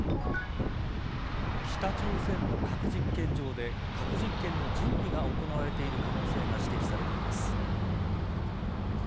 北朝鮮の核実験場で核実験の準備が行われている可能性が指摘されています。